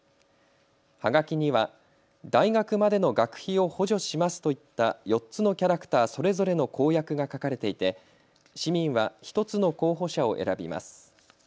はがきには大学までの学費を補助しますといった４つのキャラクターそれぞれの公約が書かれていて市民は１つの候補者を選びます。